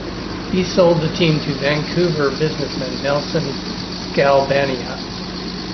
He sold the team to Vancouver businessman Nelson Skalbania.